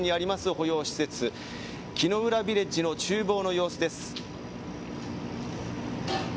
保養施設木ノ浦ビレッジの厨房の様子です。